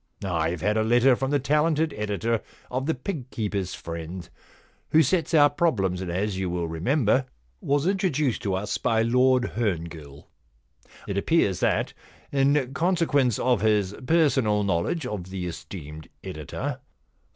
Fve had a letter from the talented editor of The Pig Keeper's Friend^ who sets our problems, and, as you will remember, was introduced to us by Lord Herngill. It appears that, in consequence of his personal knowledge of the esteemed editor.